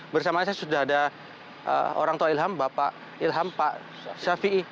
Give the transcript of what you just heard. bersama saya sudah ada orang tua ilham bapak ilham pak syafii ⁇